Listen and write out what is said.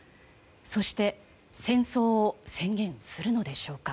そして戦争を宣言するのでしょうか。